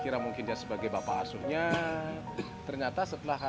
kami berpikir mungkin dia akan melakukan sesuatu yang lebih baik untuk anak anak indonesia